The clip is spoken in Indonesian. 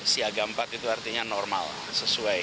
siaga empat itu artinya normal sesuai